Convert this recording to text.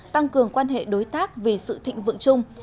tăng cường quan hệ đối tác vì sự thịnh vượng chung